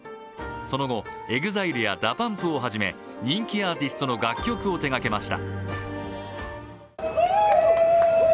その後、ＥＸＩＬＥやＤＡＰＵＭＰをはじめ人気アーティストの楽曲を手がけました。